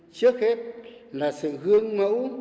trước hết là sự hương mẫu